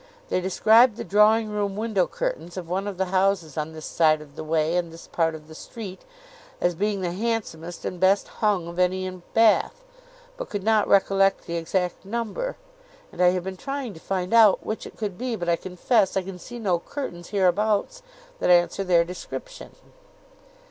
They described the drawing room window curtains of one of the houses on this side of the way, and this part of the street, as being the handsomest and best hung of any in Bath, but could not recollect the exact number, and I have been trying to find out which it could be; but I confess I can see no curtains hereabouts that answer their description."